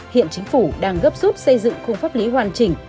hiện chính phủ đang gấp rút xây dựng khung pháp lý hoàn chỉnh